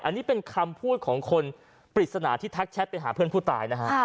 อันนี้เป็นคำพูดของคนปริศนาที่ทักแชทไปหาเพื่อนผู้ตายนะฮะ